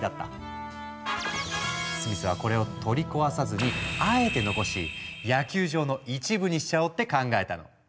スミスはこれを取り壊さずにあえて残し野球場の一部にしちゃおうって考えたの。